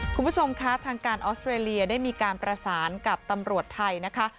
คุณผู้ชมคะทางการออสเตรเลียได้มีการประสานกับตำรวจไทยนะคะ